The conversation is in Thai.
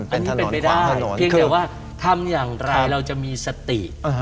อันนี้เป็นไปได้เพียงแต่ว่าทำอย่างไรเราจะมีสติ